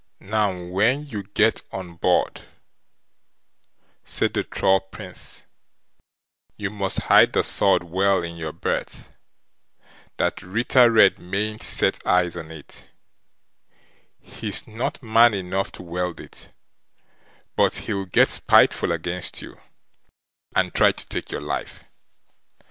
"Now, when you get on board", said the Troll Prince, "you must hide the sword well in your berth, that Ritter Red mayn't set eyes on it; he's not man enough to wield it, but he'll get spiteful against you, and try to take your life.